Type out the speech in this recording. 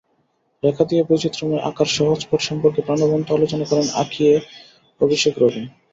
রেখা দিয়ে বৈচিত্র্যময় আঁকার সহজপাঠ সম্পর্কে প্রাণবন্ত আলোচনা করেন আঁকিয়ে অভিষেক রবিন।